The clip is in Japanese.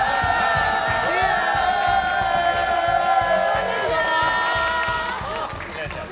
こんにちは！